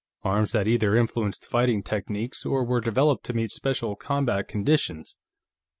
Arms that either influenced fighting techniques, or were developed to meet special combat conditions.